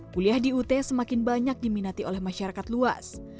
kuliah di ut semakin banyak diminati oleh masyarakat luas